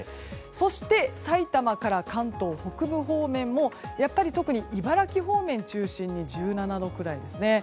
そして、埼玉から関東北部方面も特に茨城方面中心に１７度くらいですね。